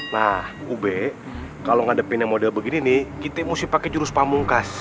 nah ube kalau ngadepin yang model begini nih kita mesti pakai jurus pamungkas